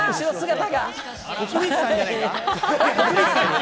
徳光さんじゃないか？